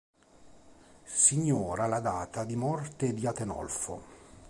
Si ignora la data di morte di Atenolfo.